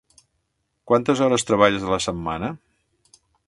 Quantes hores treballes a la setmana?